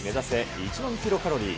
１万キロカロリー。